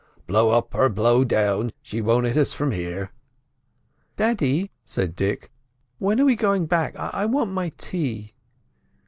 "Blow up or blow down, she won't hit us from here." "Daddy," said Dick, "when are we going back? I want my tea."